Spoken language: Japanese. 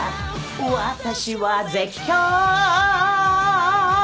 「私は絶叫！」